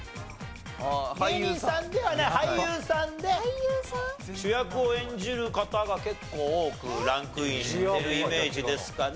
芸人さんではない俳優さんで主役を演じる方が結構多くランクインしてるイメージですかね。